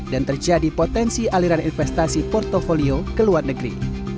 dan terjadi potensi aliran investasi portfolio ke luar negeri